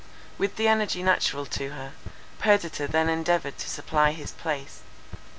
With the energy natural to her, Perdita then endeavoured to supply his place.